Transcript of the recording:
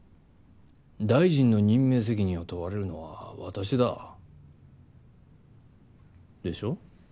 大臣の任命責任を問われるのは私だ。でしょ？